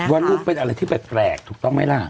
ว่าลูกเป็นอะไรที่แปลกถูกต้องไหมล่ะ